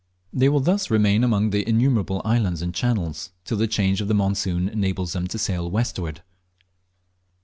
They will thus remain among the innumerable islands and channels, till the change of the monsoon enables them to sail westward.